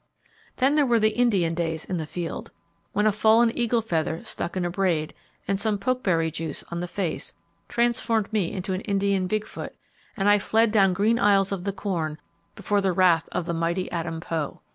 Then there were the Indian days in the field, when a fallen eagle feather stuck in a braid, and some pokeberry juice on the face, transformed me into the Indian Big Foot, and I fled down green aisles of the corn before the wrath of the mighty Adam Poe.